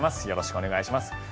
よろしくお願いします。